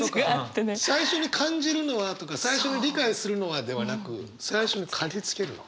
「最初に感じるのは」とか「最初に理解するのは」ではなく「最初にかぎつけるのは」。